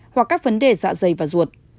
hoặc các vấn đề dạ dày và ruột